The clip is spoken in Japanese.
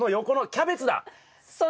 キャベツ！